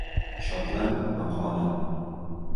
Shotland maqoli